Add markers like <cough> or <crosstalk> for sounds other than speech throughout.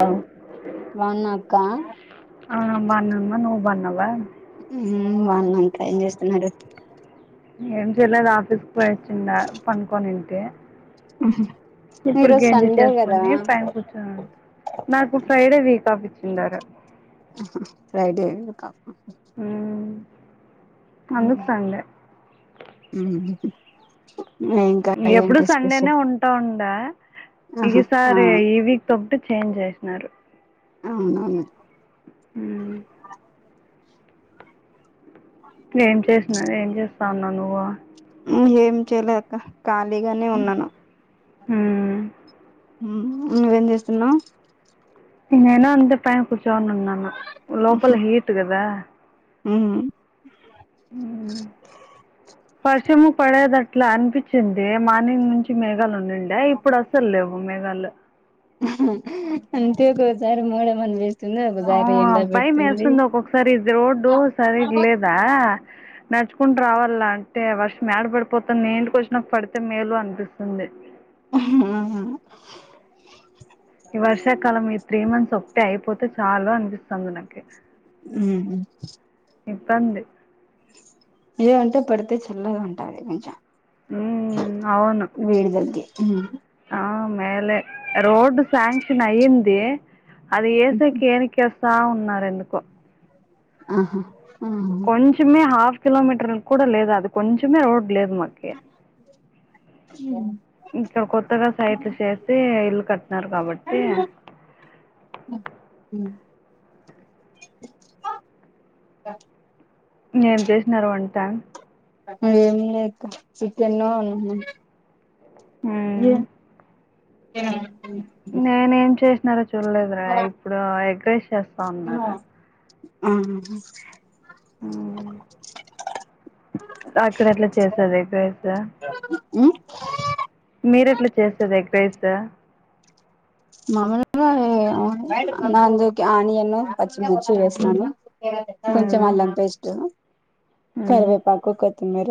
అ బావున్నావక్క అవునమ్మా బావున్నా నువ్వు బావున్నావ హుమ్ బాగున్నాం అక్క ఏం చేస్తున్నారు ఏం చేయలేదు ఆఫీస్కి పోయి వచ్చిండా పనుకోనుంటి. ఇప్పుడు ఈరోజు గంజీ సండే కదా చేసుకొని పైన కూర్చున నాకు ఫ్రైడే వీక్ ఆఫ్ ఇచ్చిండారు ఆహా ఫ్రైడే ఎందుకా మ్ హుహు ఎప్పుడు సండేనే ఉంటా ఉండా ఈ ఆహా ఆ సారే ఈ వీక్. కాకపోతే చేంజ్ చేసినారు. అవునవును మ్మ్. ఏం చేస్తున్నావ్ ఏం చేస్తున్నావ్ నువ్వు. ఉ ఏం చేయలే అక్క ఖాళీగానే ఉన్నాను హు ఉహ్ నువ్వేం చేస్తున్నావ్ నేనా అంతే పైన కూర్చోని ఉన్నాను లోపల హీట్ కద ఉ ఉ <inaudible> వర్షము పడేది అట్లా అనిపించింది మార్నింగ్ నుంచి మేఘాలు ఉండండే ఇప్పుడు అసలు లేవు మేఘాలు <unintelligible> అంతే ఒకొసారి మూడ మ <unintelligible> ఆవ్ భయం మేస్తుంది ఒక్కసారి ఇది రోడ్డు సరిగా లేదా నడుచుకుంటు రావాల అంటే వర్షం ఎడ పడిపోతుంది నే ఇంటికి వచ్చినక పడితే మేలు అనిపిస్తుంది హ్మ్హు ఈ వర్షాకాలం ఈ త్రీ మంత్స్ ఒకటె అయిపోతే చాలు అనిపిస్తంది నాకి ఇబ్బంది ఏ అంటే పడితే చల్లగ ఉంటది కొంచెం హ్మ్ అవును వేడితగ్గే ఆ మేలే రోడ్ శాంక్షన్ అయ్యింది అది ఏసెకి ఏనికేస్థ ఉన్నారు ఎందుకో ఆహా ఆహ్ కొంచమే హాఫ్ కిలోమీటర్ కూడ లేదు అది కొంచెమే రోడ్ లేదు మ ఒకే ఇక్కడ కొత్తగ సైట్లు చేసి ఇల్లు కట్టిన్నారు కాబట్టి ఏం చేసినరు వంట ఏమ్లే అక్క చికెను <unintelligible> ఏ మ్మ్. <unintelligible> నేనే ఏం చేసినారో చూడలేదురా ఇప్పుడు ఎగ్రైస్ చేస్త ఉన్నారు ఆ మ్మ్. అక్కడ ఎట్ల చేసేది ఎగ్రైస్ ఆ <unintelligible> మీరు ఎట్ల చేసేది ఎగ్రైసు మమ్మల్గా దాంట్లోకి అనియను పచ్చి మిర్చి వేస్తాను కొంచెం మ్మ్. అల్లం పేస్ట్ మ్మ్. కరివేపాకు కొత్తిమీర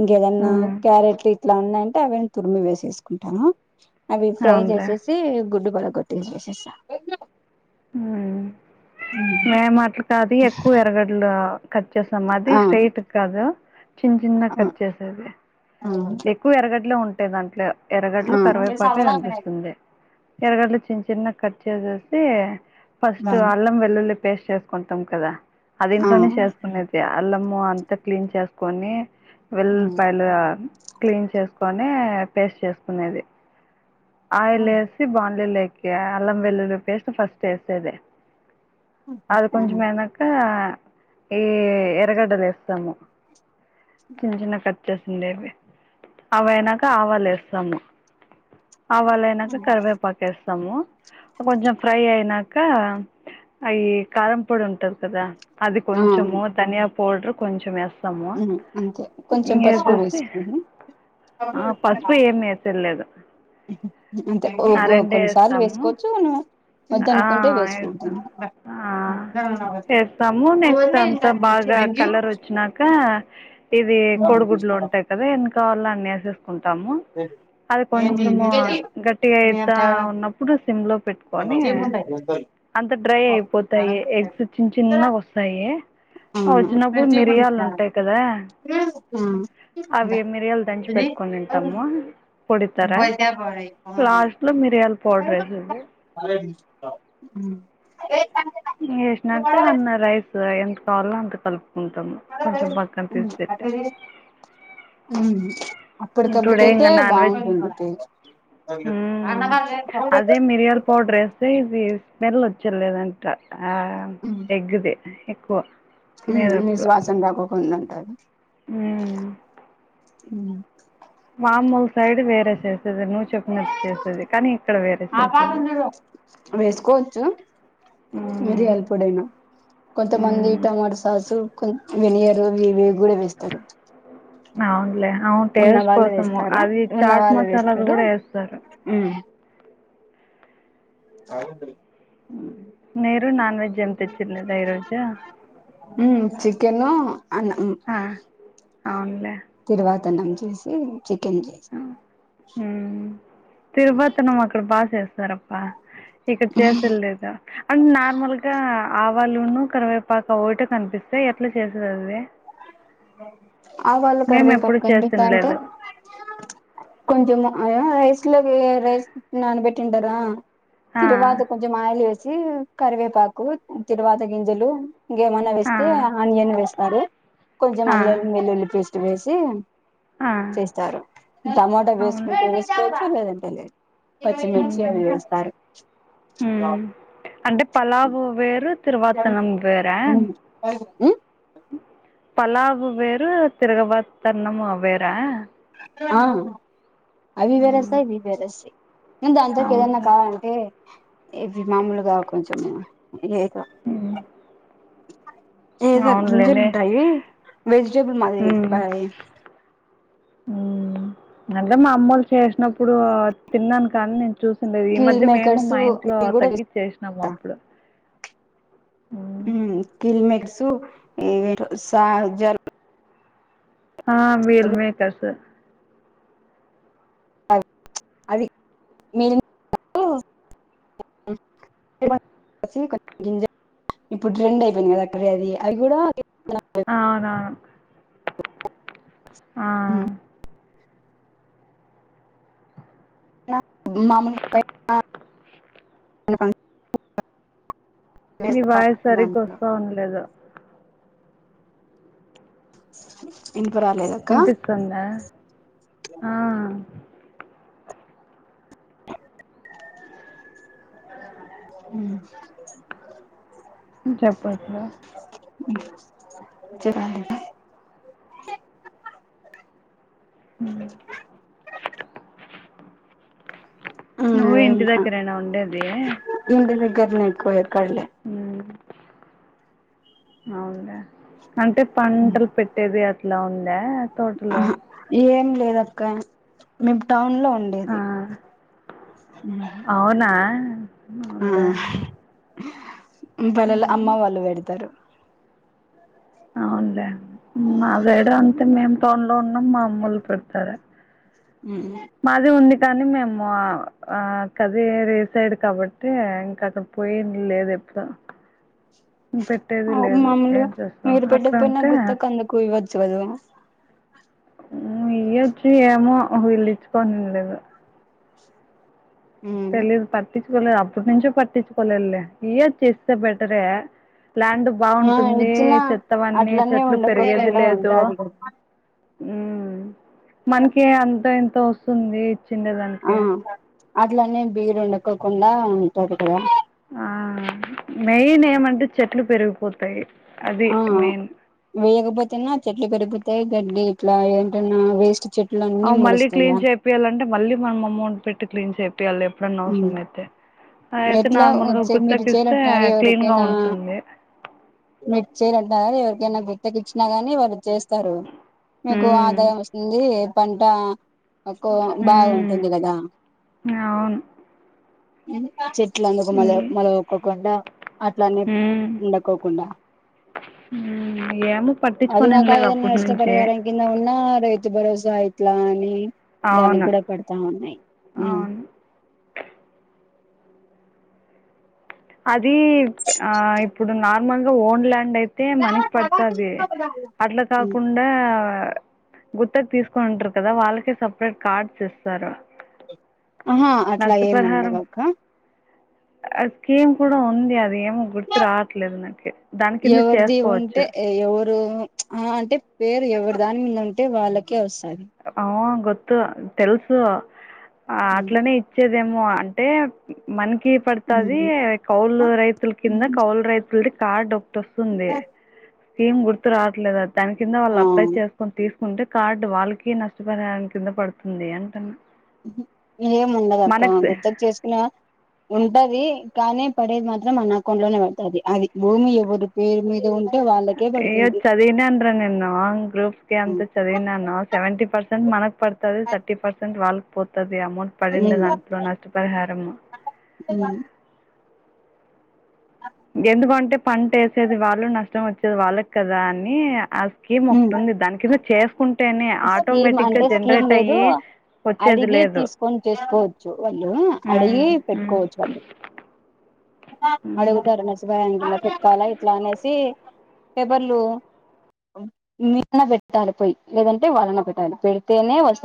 ఇంకేదన్న మ్మ్. క్యారెట్లు ఇట్ల ఉంద అంటె అవి ఎం తురిమి వేసేసుకుంటాము అవి ఫ్రై అవునులే చేసేసి గుడ్డు బాగల్గొట్టి ఏసేస్త హ్మ్ మేం అట్లాకాదు ఎక్కువ ఎరగడ్లు కట్ చేసాం ఆ అది స్ట్రైట్ కాదు చిన్న చిన్నగా కట్ చేసేది ఆ ఎక్కువ ఎరగడ్లే ఉంటాయ్ దాంట్లో ఎరగడ్లు కరివేపాకే కనిపిస్తుంది ఎరగడ్లు చిన్న చిన్నగ కట్ చేసేసి ఫస్ట్ అల్లం వెల్లులి పేస్ట్ చేసుకుంటాం కదా అది ఆ ఇంట్లోనే చేసుకునేది అల్లము అంతా క్లీన్ చ కొని వెల్ఉల్పాయిలు క్లీన్ చేసుకొని పేస్ట్ చేసుకునేది ఆ ఆయిలు <unintelligible> అల్లం వెల్లుల్లి పేస్ట్ ఫస్ట్ ఏసేది అది ఉమ్, కొంచం అయినాక ఈ ఎరగడ్డలు ఎస్తము చిన్న చిన్నగ కట్ చేసిండేవి అవి అయినాక ఆవాలు ఏస్తాము ఆవాలు అయినంక కరివేపాకు వేస్తాము కొంచం ఫ్రై అయినా ఇకా అయ్యి కారంపొడి ఉంటది కదా అది ఆ కొంచము ధనియా పొడ్రు కొంచెం ఎస్ అంతే కొంచెం పసుపు వేసుకొని ఆ పసుపు ఏం ఎసుడు లేదు అంటేఓ ఓ కొన్నిసార్లు వేసుకోచ్చును ఆ ఏస్తా ఆ చేస్తాము అది నెక్స్ట్ వదిలేదు ఇంకా అంతా నేను ఇచ్చేది. బాగా వెంకీ? కలర్ వచ్చినాక ఇది కోడీగుడ్లు ఉంటాయి కదా ఎన్ని కావాలో అన్ని ఏసేస్కుంటాము <unintelligible> అది ఏంది? కొంచెము గట్టి. గట్టిగా మరి ఏం అయిత తేడా? ఉన్నప్పుడు సిమ్ లో పెట్టుకొని అంత డ్రై పో, ఆడ అయిపోతాయి ఉంటాయి. ఎగ్స్ చిన్న చిన్న ఓస్తాయి ఆ ఉమ్. నేను ఓచ్చినప్పుడు తీపండి మిరియాలు ఇచ్చినాను. ఉంటాయి కదా ఉమ్. అవి ఇందా, మిరియాలు దంచి ఇది పెట్టుకోని తింటాము పొడితార పోతే పోరాయి. ఆ. లాస్ట్ లో మిరియాల్ పొడర్ ఏసేసి అరే <unintelligible> ఏసినాంకా అన్న రైస్ ఎంత కావాలో అంత కలుపుకుంటాము కొంచెం <unintelligible> పక్కన తీసి ఎక్కడి పెట్టా పోయింది అప్పటికప్పుడు టుడే ఇంకా అయితే నాన్ వెజ్ బాగుంటుంది టేస్ట్ మ్మ్. అదే మిరియాల పౌడర్ <unintelligible> వేస్తే ఇది స్మెల్ ఓచ్చేలేదంట ఆ ఎగ్ది ఎక్కువ తినేటప్పుడు నీసువాసన రాకోకుండా ఉంటది ఉమ్ ఉ మాఅమ్మోల్ల సైడ్ వేరే చేసేది నువ్వు చెప్పినట్టు చేసేది కానీ ఇక్కడ వేరే చేసేది వేసుకోచ్చు మ్మ్. మిరియాల పొడైనా కొంతమంది మ్మ్. టమాట సాసు కొ వెనిగరు ఇవివి కూడా వేస్తరు అవునులే అవును టేస్ట్ వాళ్ళు కోసము వేస్తారు అది చాట్ మసాలాది కూడా ఏస్తారు ఉమ్ <unintelligible> మీరు నాన్ వెజ్ ఏం తెచ్చుం లేదా ఈరోజు ఉమ్ చికెను అన్నం అవునులే తిరుపతనం చేసి చికెన్ చేసి ఉ తిరుపతనం అక్కడ బాగా చేస్తారప్పా ఇక్కడ చేసేడు లేదు అం నార్మల్ గా ఆవాలును కరివేపాకు అవి ఓటే కనిపిస్ ఎట్లా చేసేది అది ఆవాలు మేము కరివేపాకు ఎప్పుడు <unintelligible> పంటే చేసిండలేదు కొంచెం రైస్ లో రైస్ నానబెట్టింటారా తిరువాత కొం కొంచెం ఆయిల్ వేసి కరివేపాకు తిరువాత గింజలు ఇంగేమన్న ఆనియన్ వేస్తారు కొంచెం అల్లం వెల్లుల్లి పేస్ట్ వేసి చేస్తారు టమాటా అవును వేసుకుంటే వేసుకోవచ్చు లేదంటే లేదు పచ్చి మిర్చి ఉమ్, అవి వేస్తారు ఉమ్. అంటే పలావు వేరు తిరువాతనం వేరా <unintelligible> ఉ పలావు వేరు తిరగవాతన్నము వేరా ఆ అవి మ్మ్ వేరసాయి వేరేసాయి నేను దాంట్లోకి ఏదనా అవునులే కావాలంటే ఇవి మామూలుగా కొంచెం ఏ ఉ ఏదో గింజలుంటాయి వెజిటేబుల్ మాదిరి ఉమ్ అంటే మా అమ్మోలు చేసినప్పుడు తిన్నాను కానీ నేను చూసిండేది ఈ కీల్ మధ్య మేము మేకర్స్ మా ఇంట్లో ఇవి కూడా చేస్తా తగ్గిచ్చెనాము ఇప్పుడు ఉం కిల్ మెట్సు ఇవి ఎంటి సా జల్ ఆ మీల్ మేకర్స్ అది మిల్ <inaudible> కరు <unintelligible> ఇప్పుడు ట్రెండ్ అయిపోయింది కదా అక్కడే అది అది కూడా అవునవును ఆ హం మామూలుగా పైన <unintelligible> మీ వాయస్ సరిగా దాంట్లో వస్తా ఉంన్లేదు ఇంకా రాలేదా యినిపిస్తుందా ఆ <inaudible> ఉమ్ చేపట్లా <unintelligible> <inaudible> నువ్వు ఏం ఇంటి కా దగ్గరే నా ఉండేది ఇంటి దగ్గర నే కో యక్కడలే ఉమ్ అవును లే అంటే పంటలు పెట్ ట్టేది అట్లా ఉందా తోటలో ఆహా ఏం లేదక్క మేము టౌన్ లో ఉం ఆ అవునా అవునులే ఆ పల్లెలో అమ్మ వాళ్ళు పెడతారు అవునులే మా వేడ్ అంతే మేం టౌన్ లో ఉన్నాం మా అమ్మోళ్ళు పెడతారు ఉమ్ మాది ఉంది కానీ మేము ఆ కదిరి సైడ్ కాబట్టి ఇంకా అక్కడ పోయేది లేదు ఎప్పుడు పెట్టేది లేదు ఏం మామూలుగా చేస్తాం మీరు అక్కడ పెట్టకపోయినా ఉంటే గుత్తకు అందుకు ఇవ్వచ్చు కదా ఈయచ్చు ఏమో వీళ్ళ యిచ్చుకోనింలేదు తెలియదు పట్టించుకోలేదు అప్పటి నుంచే పట్టించుకోలేదులే ఈయచ్చు ఇస్తే బెటరే ప్లాండ్ ఆ బాగుంటుంది ఇచ్చిన చెత్తవన్నీ అట్లనే చెట్లు పెరిగేది ఉండకోకుండా లేదు ఉంటాది ఉమ్ కదా మనకి అంతో ఇంతో వస్తుంది ఆ ఇచ్చిండేదానికి అట్లనే బీడు ఎండకోకుండా ఉంటంది కదా ఆ మెయిన్ ఏమంటే చెట్లు పెరిగిపోతాయి అది మెయిన్ వేయకపోతున్నా చెట్లు పెరిగిపోతాయి గడ్డి ఇట్లా ఏంటన్నా వేస్ట్ చెట్ ట్లన్నీ మొలుస్తాయా చెప్పియాలంటే మళ్ళీ మనం అమౌంట్ పెట్టి క్లీన్ చేపియాలి ఎప్పుడన్నా అవసరమైతే అయితే ఎట్లా నార్మల్ గా వచ్చే మీరు గుత్తకి ఇస్తే చేయాలంటున్నారు క్లీన్ గా ఉంటుంది మీర్ చేయరు అంటార ఎవరికైనా గుత్తకి ఇచ్చినా కానీ వాళ్ళు చేస్ వస్తారు మీకు మ్మ్ ఆదాయం వస్తుంది పంట తక్కువ హ్మ్ బాగుంటుంది కదా అవును చెట్ల అందుకు మళ ఇంగే మళ ఒక్కకుండా అట్లనే ఉండకోకుండా ఉమ్ ఏమో అది పట్టించుకోనిం కాక లేదు ఏదైనా అప్పటి నుంచే నష్టపరిహారం కింద ఉన్నా రైతు భరోసా ఇట్లా అని దానికి అవును గూడా పడతా ఉన్నాయి ఉమ్ అవును అది ఆ ఇప్పుడు నార్మల్గా ఓన్ ల్యాండ్ అయి తే మనకి పడుతాది అట్ల కాకుం ఆ గుత్త తీసుకునుంటరు కదా వాళ్ళకే సపరేట్ కార్డ్స్ ఇస్తారు ఆహా అట్లా ఏమి నష్టపరిహారం ఉండదక్క <inaudible> స్కీమ్ కూడా ఉంది అది ఏమో గుర్తు రావట్లేదు నాకి దాని కింద ఎవరిది చేసుకోవచ్చు ఉంటే ఎవరు అంటే పేరు ఎవరి దాని మీద ఉంటే వాళ్ళకే వస్తది అ గుర్తు తెలుసు ఆ అట్లనే వచ్చేదేమో అంటే మనకి పడుతది కౌలు రైతుల కింద కౌలు రై విడి కార్డు ఒకటి వస్తుంది స్కీమ్ గుర్తు రావట్లేదు అది దాని కింద వాళ్ళు ఆ అప్లై చేసుకొని తీసుకుంటే కార్డు వాళ్ళకి కి నష్టపడడానికి కింద పడుతుంది అంటున్న ఉహు ఎం ఉండదక్క గుత్తకు చేసుకున్నవ ఉంటది కానీ పడేది మాత్రం మన అకౌంట్లోనే పడుతది అది భూమి ఎవరి పేరు మీద ఉన్న ఏ చదినానురా నేన్ను గ్రూప్కి అంత చదివినను సెవెంటీ పర్సెంట్ మనకు పడుతది థర్టీ పర్సెంట్ వాళ్ళకు పోతది అమౌంట్ పడింది దాంట్లో నష్టపరిహారము ఏమండి అ ఎందుకంటే పంట వేసేది వాళ్ళు నష్టం వచ్చేది వాళ్ళకి కదా అని స్కీం ఒకటుంది దాని కింద చేసుకుంటేనే స్కీమ్ ఆటోమేటిక్గా అంటే స్కీమ్ జనరేట్ లేదు అయ్యి వచ్చేది అడిగి లేదు తీసుకొని చేసుకోవచ్చు వాళ్ళు అడిగి పెట్టుకోవచ్చు వాళ్ళు అడుగుతారునేసి భయానికిలా పక్కాలా ఇట్లా అనేసి పేపర్లు న్న పెట్టాలి పోయి లేదంటే వాళ్ళన పెట్టాలి పెడితేనే వస